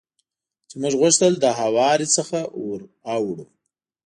چې موږ غوښتل له هوارې څخه ور اوړو.